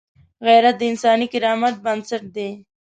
غیرت د انساني کرامت بنسټ دی